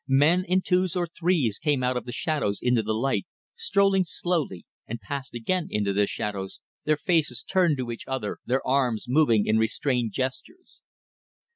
Men in twos or threes came out of the shadows into the light, strolling slowly, and passed again into the shadows, their faces turned to each other, their arms moving in restrained gestures.